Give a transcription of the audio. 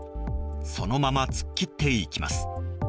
そのまま突っ切っていきます。